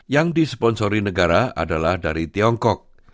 yang disponsori negara adalah dari tiongkok